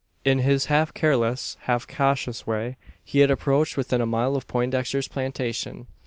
In this half careless, half cautious way, he had approached within a mile of Poindexter's plantation.